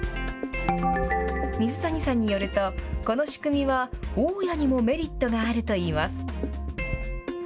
水谷さんによると、この仕組みは大家にもメリットがあるといいます。